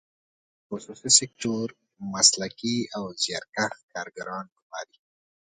خصوصي سکتور مسلکي او زیارکښ کارګران ګماري.